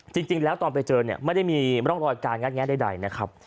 จริงแล้วตอนไปเจอเนี่ยไม่ได้มีร่องรอยการงัดแงะใดนะครับ